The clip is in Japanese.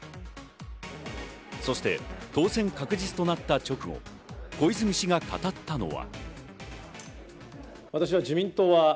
そして当選確実となった直後、小泉氏が語ったのは。